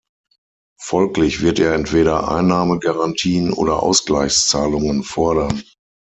Folglich wird er entweder Einnahmegarantien oder Ausgleichszahlungen fordern.